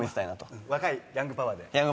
若いヤングパワーで。